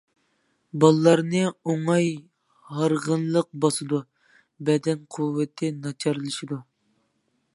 بالىلارنى ئوڭاي ھارغىنلىق باسىدۇ، بەدەن قۇۋۋىتى ناچارلىشىدۇ.